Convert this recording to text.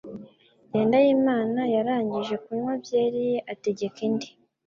Jyendayimana yarangije kunywa byeri ye ategeka indi.